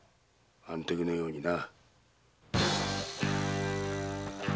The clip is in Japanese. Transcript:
あんときのようにな。